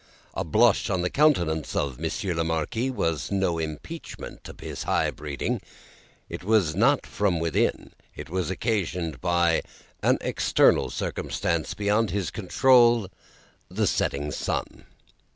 A blush on the countenance of Monsieur the Marquis was no impeachment of his high breeding; it was not from within; it was occasioned by an external circumstance beyond his control the setting sun.